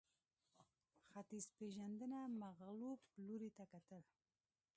ختیځپېژندنه مغلوب لوري ته کتل